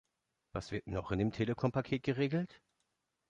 Was wird noch in dem Telekom-Paket geregelt?